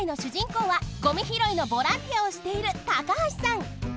こうはごみひろいのボランティアをしている高橋さん！